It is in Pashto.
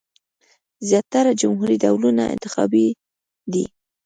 زیاتره جمهوري دولتونه انتخابي دي.